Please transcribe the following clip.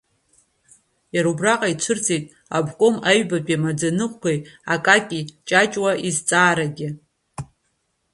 Иара убраҟа ицәырҵит аобком аҩбатәи амаӡаныҟәгаҩ Акаки Ҷаҷуа изҵаарагьы.